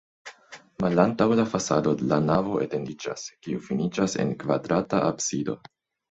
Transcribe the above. Malantaŭ la fasado la navo etendiĝas, kiu finiĝas en kvadrata absido.